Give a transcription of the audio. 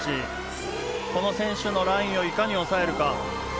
この選手のラインをいかに抑えるか。